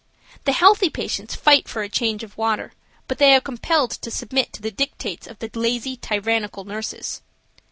The healthy patients fight for a change of water, but they are compelled to submit to the dictates of the lazy, tyrannical nurses.